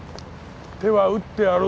手は打ってある。